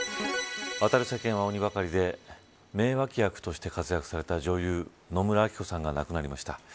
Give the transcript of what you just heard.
渡る世間は鬼ばかりで名脇役として活躍された女優野村昭子さんが亡くなりました。